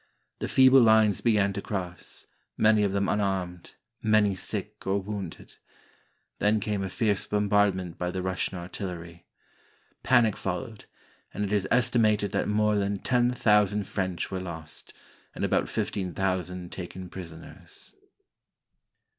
The feeble lines began to cross, many of them unarmed, many sick or wounded. Then came a fierce bombardment by the Russian artillery. Panic followed, and it is estimated that more than ten thousand French were lost, and about fifteen thousand taken prisoners.